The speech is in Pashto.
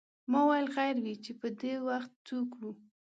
ما ویل خیر وې چې پدې وخت څوک و.